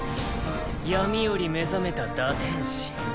闇より目覚めた堕天使。